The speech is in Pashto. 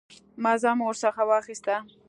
مزه مو ورڅخه واخیسته.